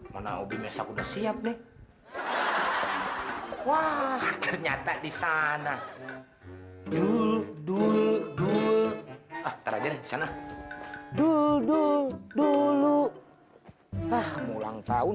mana obyek udah siap deh wah ternyata disana dulu dulu dulu dulu dulu dulu